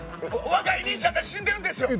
若い兄ちゃんが死んでるんですよ。